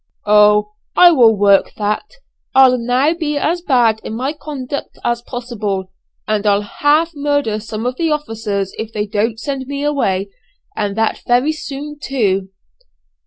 "Oh! I will work that. I'll now be as bad in my conduct as possible; and I'll half murder some of the officers if they don't send me away; and that very soon too."